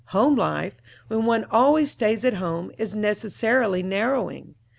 Home life, when one always stays at home, is necessarily narrowing.